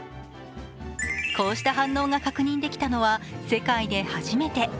こうした反応が確認できたのは世界で初めて。